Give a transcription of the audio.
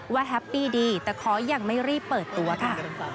แฮปปี้ดีแต่ขอยังไม่รีบเปิดตัวค่ะ